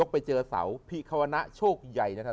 ไปเจอเสาพิควณะโชคใหญ่